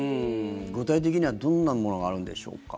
具体的にはどんなものがあるんでしょうか？